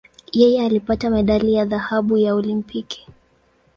Yeye alipata medali ya dhahabu ya Olimpiki.